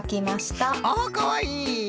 あかわいい！